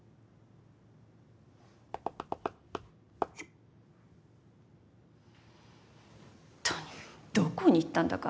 っとにどこに行ったんだか。